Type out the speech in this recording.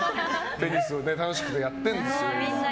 テニス楽しくやってるんですよ。